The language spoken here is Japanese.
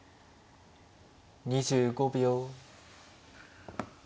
２５秒。